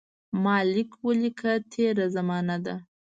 ما لیک ولیکه تېره زمانه ده.